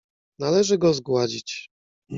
"Należy go zgładzić."